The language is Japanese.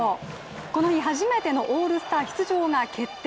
この日、初めてのオールスター出場が決定。